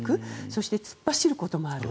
そして、突っ走ることもある。